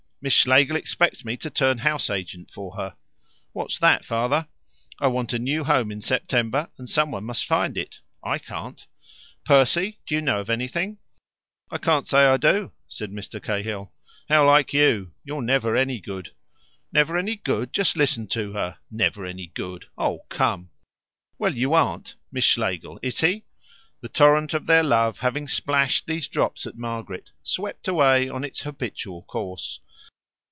Miss Schlegel expects me to turn house agent for her!" "What's that, Father? "I want a new home in September, and someone must find it. I can't." "Percy, do you know of anything?" "I can't say I do," said Mr. Cahill. "How like you! You're never any good." "Never any good. Just listen to her! Never any good. Oh, come!" "Well, you aren't. Miss Schlegel, is he?" The torrent of their love, having splashed these drops at Margaret, swept away on its habitual course.